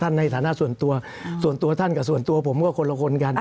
ในฐานะส่วนตัวส่วนตัวท่านกับส่วนตัวผมก็คนละคนกัน